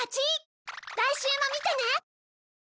来週も見てね！